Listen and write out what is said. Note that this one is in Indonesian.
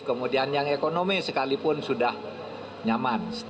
kemudian yang ekonomi sekalipun sudah nyaman